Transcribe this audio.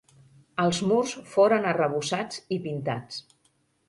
Els murs foren arrebossats i pintats.